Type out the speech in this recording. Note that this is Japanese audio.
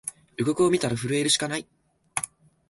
予告みたら震えるしかない